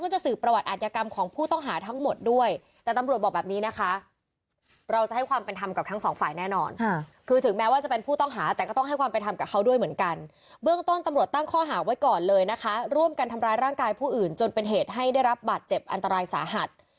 จำไว้ก่อนเลยนะคะร่วมกันทำร้ายร่างกายผู้อื่นจนเป็นเหตุให้ได้รับบาดเจ็บอันตรายสาหัส